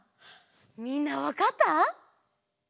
みんなわかった？